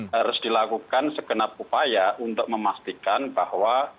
harus dilakukan segenap upaya untuk memastikan bahwa